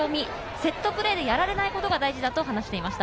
セットプレーでやられないことが大事だと話していました。